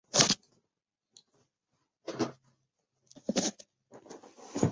第一次会议结束。